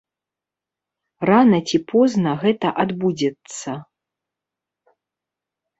Рана ці позна гэта адбудзецца.